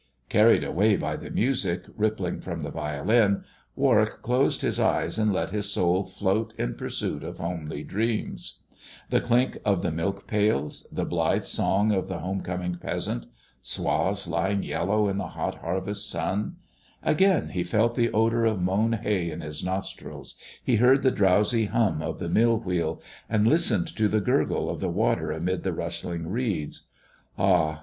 Carried away by the music rippling from the violin, Warwick closed his eyes, and let his soul float in pursuit of homely dreams; the clink of the milk pails, the blithe song of the home coming peasant, swaths lying yellow in the hot harvest sun; again he felt the odour of mown hay in his nostrils, he heard the drowsy hum of the mill wheel, and listened to the gurgle of the water amid the rustling reeds. Ah